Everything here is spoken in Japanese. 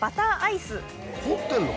凍ってんの？